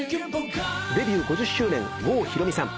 デビュー５０周年郷ひろみさん。